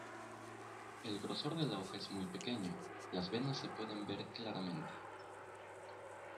El grosor de la hoja es muy pequeño, las venas se pueden ver claramente.